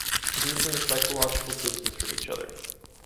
Reducing the psychological distance from each other.